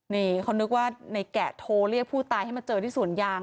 นี่เขานึกว่าในแกะโทรเรียกผู้ตายให้มาเจอที่สวนยาง